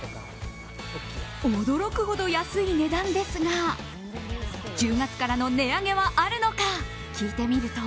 驚くほど安い値段ですが１０月からの値上げはあるのか聞いてみると。